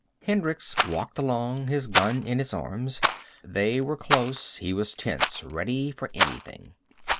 Hendricks walked along, his gun in his arms. They were close; he was tense, ready for anything.